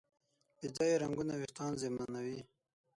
بې ځایه رنګونه وېښتيان زیانمنوي.